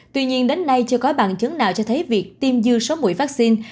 tuy nhiên đến nay chưa có bằng chứng nào cho thấy việc tiêm dư số mũi vaccine